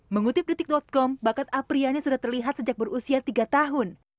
mengutip detik com bakat apriyani sudah terlihat sejak berusia tiga tahun